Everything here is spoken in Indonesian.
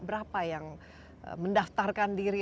berapa yang mendaftarkan diri